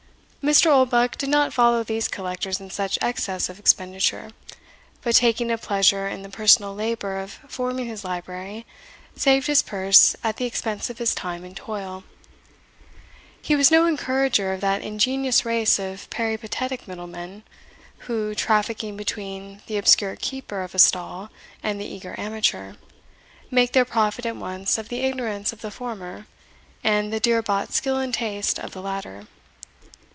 Mr. Oldbuck did not follow these collectors in such excess of expenditure; but, taking a pleasure in the personal labour of forming his library, saved his purse at the expense of his time and toil, He was no encourager of that ingenious race of peripatetic middle men, who, trafficking between the obscure keeper of a stall and the eager amateur, make their profit at once of the ignorance of the former, and the dear bought skill and taste of the latter.